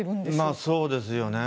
まあ、そうですよね。